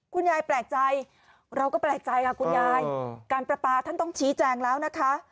คุณยายแปลกใจเราก็แปลกใจค่ะคุณยายการประปาท่านต้องชี้แจงแล้วนะคะ